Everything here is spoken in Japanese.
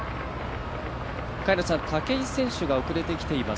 竹井選手が遅れてきています。